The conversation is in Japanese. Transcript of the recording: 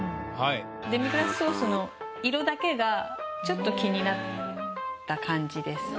デミグラスソースの色だけがちょっと気になった感じです。